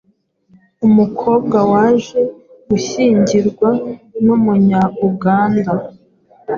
umukobwa waje gushyingirwa n’Umunya-Uganda